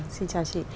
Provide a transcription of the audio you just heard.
xin chào chị